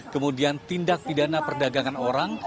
kemudian tindak pidana perdagangan orang